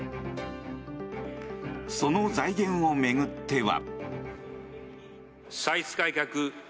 その財源を巡っては。